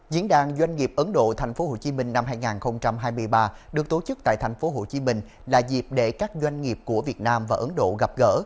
diễn đàn doanh nghiệp ấn độ tp hcm năm hai nghìn hai mươi ba được tổ chức tại tp hcm là dịp để các doanh nghiệp của việt nam và ấn độ gặp gỡ